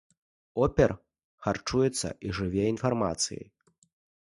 Опер харчуецца і жыве інфармацыяй.